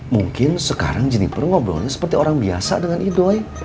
mungkin sekarang jeniper ngobrolnya seperti orang biasa dengan idoi